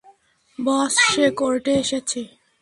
বস, সে কোর্টে এসেছে।